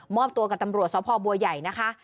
อบตัวกับตำรวจสพบัวใหญ่นะคะ